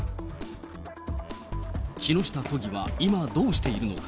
木下都議は今、どうしているのか。